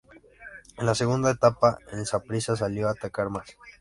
En la segunda etapa, el Saprissa salió a atacar más.